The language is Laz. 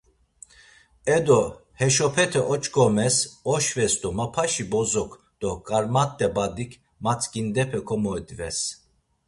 Edo, heşopete oç̌ǩomes, oşves do mapaşi bozok do Karmat̆e badik matzǩindepe komoidves.